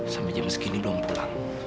sampai jam segini belum pulang